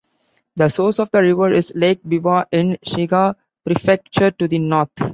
The source of the river is Lake Biwa in Shiga Prefecture to the north.